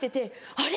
あれ？